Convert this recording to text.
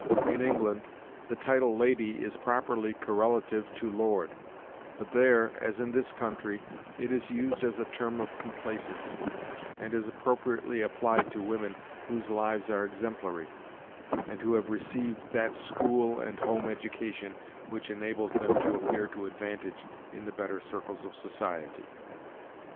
In England, the title lady is properly correlative to lord; but there, as in this country, it is used as a term of complaisance, and is appropriately applied to women whose lives are exemplary, and who have received that school and home education which enables them to appear to advantage in the better circles of society.